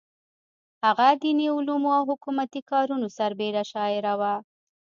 هغه د دیني علومو او حکومتي کارونو سربېره شاعره وه.